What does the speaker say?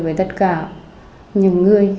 với tất cả những người